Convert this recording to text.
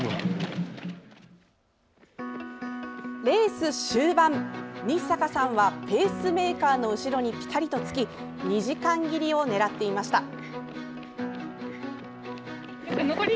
レース終盤、日坂さんはペースメーカーの後ろにぴたりとつき２時間切りを狙っていました。